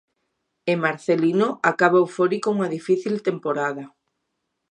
E Marcelino acaba eufórico unha difícil temporada.